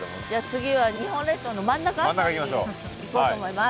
次は日本列島の真ん中辺り行こうと思います。